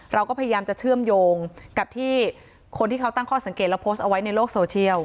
เราก็พยายามจะเชื่อมโยงกับที่คนที่เขาตั้งข้อสังเกตแล้วโพสต์เอาไว้ในโลกโซเชียล